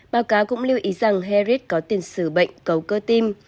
báo cáo cũng lưu ý rằng herrit có tiền xử bệnh cầu cơ tim